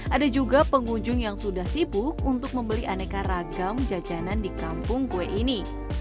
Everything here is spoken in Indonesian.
ada juga pengunjung yang sudah sibuk untuk membeli aneka ragam jajanan di kampung kue ini